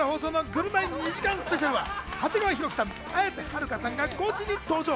『ぐるナイ』２時間スペシャルは、長谷川博己さん、綾瀬はるかさんがゴチに登場。